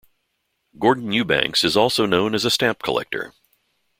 Gordon Eubanks is also known as a stamp collector.